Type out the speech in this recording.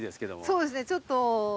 そうですねちょっと。